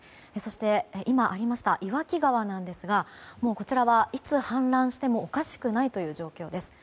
今、ありました岩木川ですがこちらはいつ氾濫してもおかしくないという状況です。